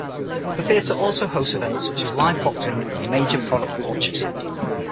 The theater also hosts events such as live boxing and major product launches.